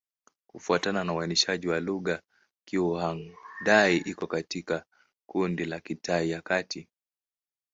Kufuatana na uainishaji wa lugha, Kizhuang-Dai iko katika kundi la Kitai ya Kati.